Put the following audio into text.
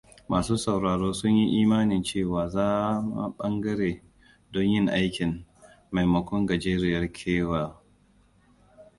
Masu sauraro sunyi imanin cewa zama ɓangare don yin aikin, maimakon gajeriyar kewaya.